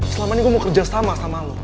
selama ini gue mau kerja sama sama lo